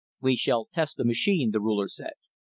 "We shall test the machine," the Ruler said.